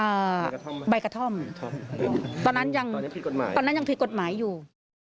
ใบกระท่อมไหมใบกระท่อมตอนนั้นยังตอนนั้นผิดกฎหมายอยู่